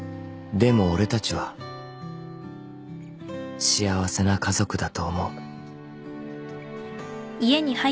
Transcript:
［でも俺たちは幸せな家族だと思う］